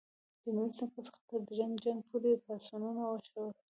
د میرویس نیکه څخه تر دریم جنګ پوري پاڅونونه وشول.